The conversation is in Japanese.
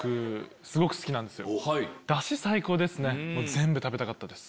全部食べたかったです。